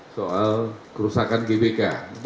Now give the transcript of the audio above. soal kerusakan gbk